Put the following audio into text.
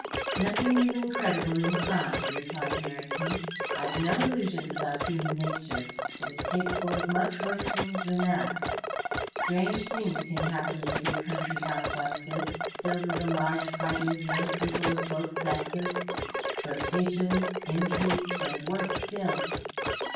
"Nothing is incredible in crime," replied Merrington. "I've no illusions about human nature. It is capable of much worse things than that. Strange things can happen in a big country house like this, filled with a large party of young people of both sexes flirtations, intrigues, and worse still."